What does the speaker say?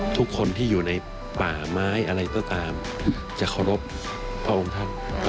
ทุกคนที่อยู่ในป่าไม้อะไรก็ตามจะขอบพระองค์ท่านขอบท้าวเวสวัน